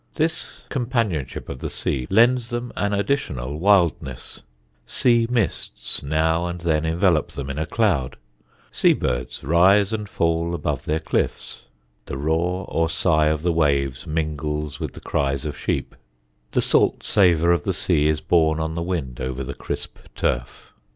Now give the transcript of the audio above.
This companionship of the sea lends them an additional wildness: sea mists now and then envelop them in a cloud; sea birds rise and fall above their cliffs; the roar or sigh of the waves mingles with the cries of sheep; the salt savour of the sea is borne on the wind over the crisp turf.